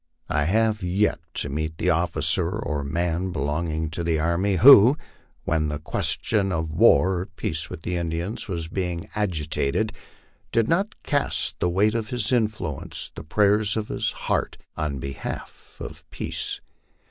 I have yet to meet the officer or man belonging to the army, who, when the question of war or peace with the Indians was being agitated, did not cast the weight of his influence, the prayers of his heart, in behalf of peace.